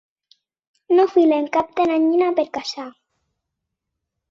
No filen cap teranyina per caçar.